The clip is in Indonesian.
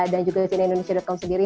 dan juga sina indonesia com sendiri